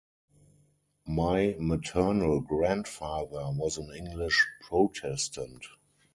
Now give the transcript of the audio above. My maternal grandfather was an English Protestant.